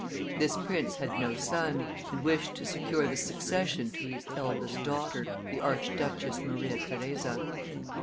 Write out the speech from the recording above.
This prince had no son, and wished to secure the succession to his eldest daughter, the Arch duchess Maria Theresa.